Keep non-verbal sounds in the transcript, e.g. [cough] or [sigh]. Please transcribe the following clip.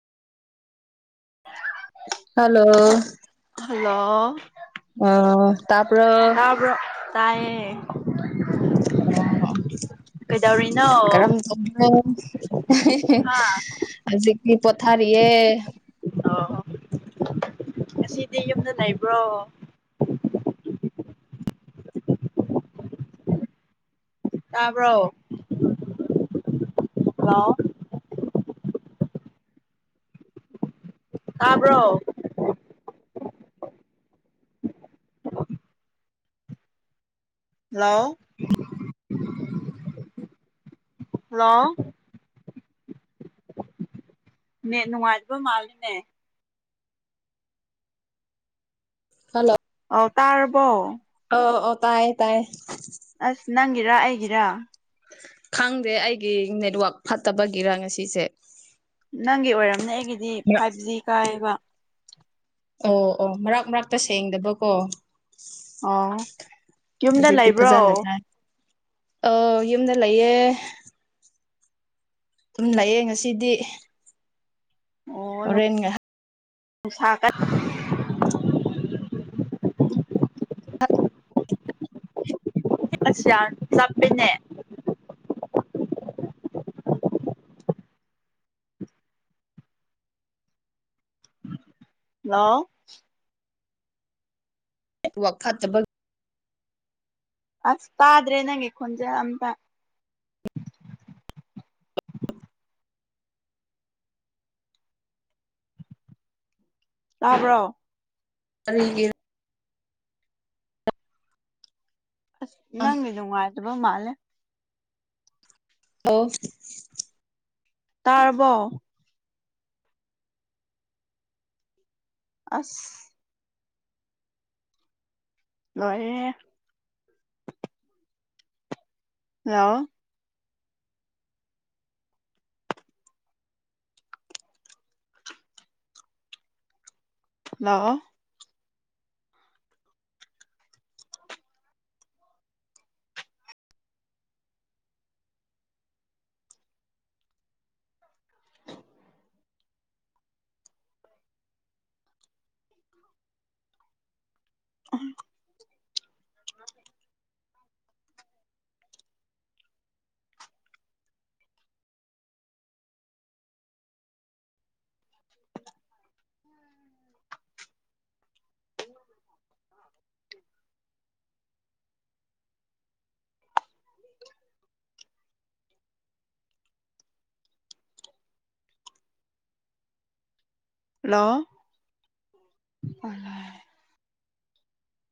hello hello ꯑꯣ ꯇꯥꯕꯔ‌ꯣ ꯇꯥꯕ꯭ꯔꯣ ꯇꯥꯏꯌꯦ ꯑꯣ ꯀꯩꯗꯧꯔꯤꯅꯣ ꯀꯔꯝ ꯇꯧꯔꯤꯒ‌ꯦ ꯍꯥ ꯍꯧꯖꯤꯛꯇꯤ ꯄ‌ꯣꯊꯔꯤꯌꯦ ꯑꯣ ꯉꯁꯤꯗꯤ ꯌꯨꯝꯗ ꯂꯩꯕ꯭ꯔꯣ ꯇꯕ꯭ꯔꯣ ꯍꯜꯂꯣ ꯇꯥꯕ꯭ꯔꯣ ꯍꯜꯂꯣ ꯍꯜꯂꯣ ꯅ‌ꯦꯠ ꯅꯨꯡꯉꯥꯏꯇꯕ ꯃꯥꯜꯂꯤꯅꯦ ꯍꯜꯂ‌ꯣ ꯑꯣ ꯇꯥꯔꯕꯣ ꯑꯣ ꯑꯣ ꯇꯥꯏꯌꯦ ꯇꯥꯏꯌꯦ ꯑꯁ ꯅꯪꯒꯤꯔꯥ ꯑꯩꯒꯤꯔꯥ ꯈꯪꯗꯦ ꯑꯩꯒꯤ ꯅꯦꯠꯋꯥꯛ ꯐꯠꯇꯕꯒꯤꯔ ꯉꯁꯤꯁꯦ ꯅꯪꯒꯤ ꯑꯣꯏꯔꯝꯅꯦ ꯑꯩꯒꯤꯗꯤ ꯃꯔꯛ ꯐꯥꯏꯚ ꯖꯤ ꯀꯥꯏꯌꯦꯕ ꯑꯣ ꯑꯣ ꯃꯔꯛ ꯃꯔꯛꯇ ꯁꯦꯡꯗꯕꯀꯣ ꯑꯣ ꯌꯨꯝꯗ ꯍꯧꯖꯤꯛꯇꯤ ꯂꯩꯕ꯭ꯔꯣ ꯐꯖꯅ ꯇꯥꯏ ꯑꯣ ꯌꯨꯝꯗ ꯂꯩꯌꯦ ꯑꯗꯨꯝ ꯂꯩꯌꯦ ꯉꯁꯤꯗꯤ ꯑꯣ ꯍꯣꯔꯦꯟ ꯉꯥꯏꯍꯥꯛ ꯅꯨꯡꯁꯥ ꯀꯟ ꯑꯁ ꯌꯥꯝ ꯆꯞꯄ‌ꯦꯅꯦ ꯍꯜꯂꯣ ꯅ‌ꯦꯠꯋꯥꯛ ꯐꯠꯇꯕ ꯑꯁ ꯇꯥꯗ꯭ꯔꯦ ꯅꯪꯒꯤ ꯈꯣꯟꯖ‌ꯦꯜ ꯑꯝꯇ ꯇꯥꯕ꯭ꯔꯣ ꯀꯔꯤꯒꯤ ꯑꯁ ꯅꯪꯗꯤ ꯅꯨꯡꯉꯥꯏꯇꯕ ꯃꯥꯜꯂꯦ ꯑꫭꯐ ꯇꯥꯔ꯭ꯕꯣ ꯑꯁ ꯂꯣꯏꯔꯍꯦ ꯂꯥꯛꯑꯦ ꯂꯥꯛꯑꯦ [unintelligible] [inaudible] [inaudible] [inaudible] [inaudible] ꯍꯜꯂꯣ [unintelligible]